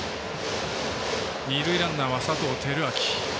二塁ランナーは佐藤輝明。